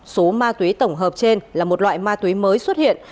số ma túy tổng hợp trên là một loại ma túy mới xuất hiện